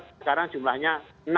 sekarang jumlahnya enam